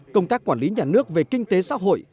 công tác quản lý nhà nước về kinh tế xã hội